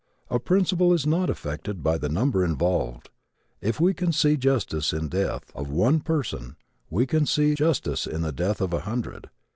A principle is not affected by the number involved. If we can see justice in the death of one person we can see justice in the death of a hundred.